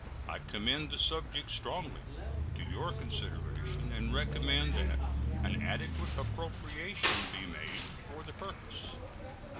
I commend the subject strongly to your consideration, and recommend that an adequate appropriation be made for the purpose.